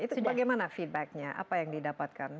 itu bagaimana feedbacknya apa yang didapatkan